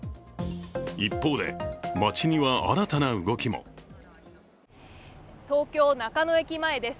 一方で、街には新たな動きも東京・中野駅前です。